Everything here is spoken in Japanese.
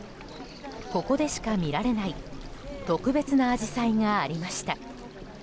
ここでしか見られない特別なアジサイがありました。